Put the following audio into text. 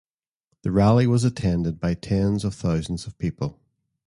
The rally was attended by tens of thousands of people.